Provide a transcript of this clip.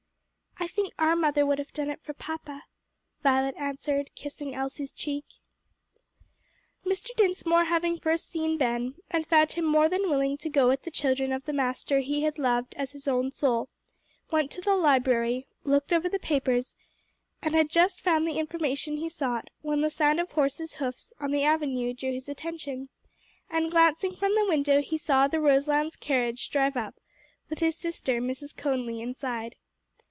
"I think our mother would have done it for papa," Violet answered, kissing Elsie's cheek. Mr. Dinsmore having first seen Ben, and found him more than willing to go with the children of the master he had loved as his own soul, went to the library, looked over the papers, and had just found the information he sought, when the sound of horses' hoofs on the avenue drew his attention, and glancing from the window he saw the Roselands carriage drive up with his sister, Mrs. Conly, inside.